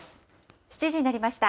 ７時になりました。